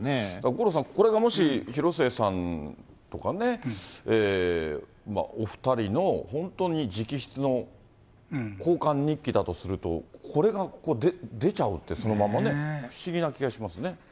五郎さん、これがもし、広末さんとかね、お２人の本当に直筆の交換日記だとすると、これが出ちゃうって、そのままね、不思議な気がしますね。